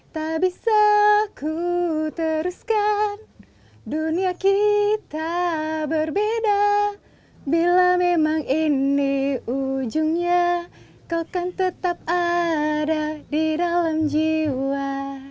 tak bisa ku teruskan dunia kita berbeda bila memang ini ujungnya kau akan tetap ada di dalam jiwa